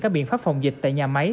các biện pháp phòng dịch tại nhà máy